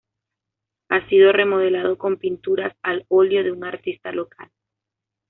Ha sido remodelado con pinturas al óleo de un artista local.